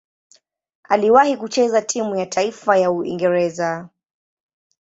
Aliwahi kucheza timu ya taifa ya Uingereza.